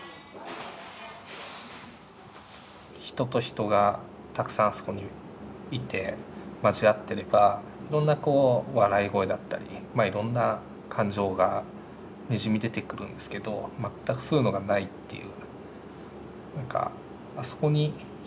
人と人がたくさんあそこにいて交わっていればいろんなこう笑い声だったりいろんな感情がにじみ出てくるんですけど全くそういうのがないっていう。